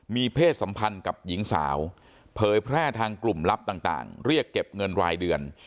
มีเพศสัมพันธ์กับหญิงสาวเผยแพร่ทางกลุ่มลับต่างเรียกเก็บเงินรายเดือน